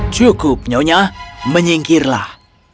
cukup nyonya menyingkirlah